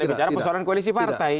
bicara persoalan koalisi partai